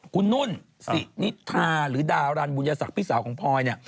คุณนุ่นสินิทาหรือดารันบุญศักดิ์พี่สาวของพลอยเนี่ย